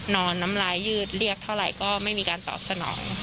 น้ำลายยืดเรียกเท่าไหร่ก็ไม่มีการตอบสนอง